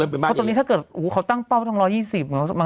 ไหมล่ะเพราะตัวนี้ถ้าเกิดอุ้ยเขาตั้งเป้าทั้งร้อยยี่สิบมัน